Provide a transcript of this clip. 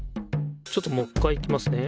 ちょっともう一回いきますね。